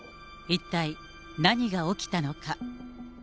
一体、何が起きたのか。